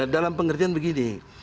dalam pengertian begini